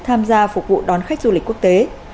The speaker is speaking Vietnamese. tham gia phục vụ đón khách du lịch quốc tế